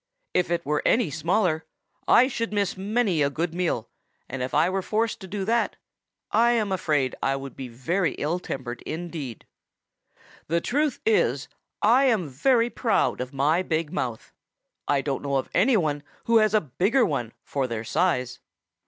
If it were any smaller, I should miss many a good meal, and if I were forced to do that, I am afraid I should be very ill tempered indeed. The truth is, I am very proud of my big mouth. I don't know of any one who has a bigger one for their size."